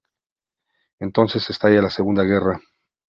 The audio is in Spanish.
Entonces estalla la segunda guerra.